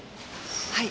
はい。